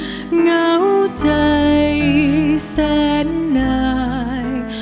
เหงาใจแสนนาย